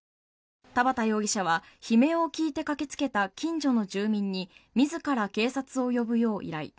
田畑容疑者は悲鳴を聞いて駆けつけた近所の住民に自ら警察を呼ぶよう依頼。